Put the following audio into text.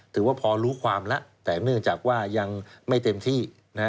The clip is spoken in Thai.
ถือว่าพอรู้ความแล้วแต่เนื่องจากว่ายังไม่เต็มที่